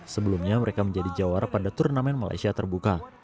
sebelumnya mereka menjadi jawara pada turnamen malaysia terbuka